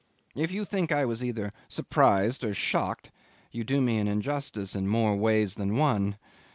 If you think I was either surprised or shocked you do me an injustice in more ways than one!